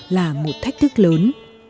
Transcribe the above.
là một thách thức lớn